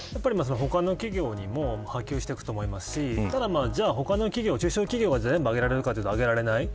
他の企業にも波及していくと思いますしじゃあ、他の中小企業が上げられるかというと上げられない。